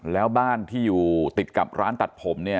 แล้วบ้านที่อยู่ติดกับร้านตัดผมเนี่ย